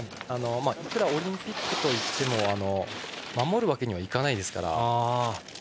ただオリンピックといっても守るわけにはいかないですから。